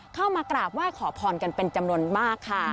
เข้ามากราบไหว้ขอพรกันเป็นจำนวนมากค่ะ